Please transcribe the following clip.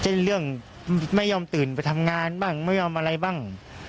เรื่องไม่ยอมตื่นไปทำงานบ้างไม่ยอมอะไรบ้าง